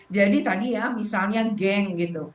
jadi tadi ya misalnya geng gitu